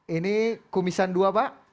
ini kumisan dua pak